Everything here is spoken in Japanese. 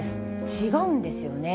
違うんですよね。